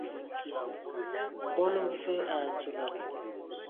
Mɔn mfǝ a dzolan.